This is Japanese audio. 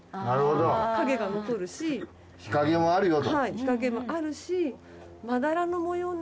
日陰もあるよと。